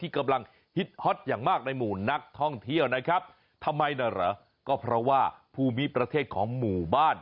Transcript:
กำลังฮิตฮอตอย่างมากในหมู่นักท่องเที่ยวนะครับทำไมน่ะเหรอก็เพราะว่าภูมิประเทศของหมู่บ้าน